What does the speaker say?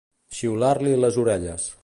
Xiular-li les orelles.